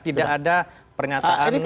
tidak ada pernyataan sekitar sepuluh meter ini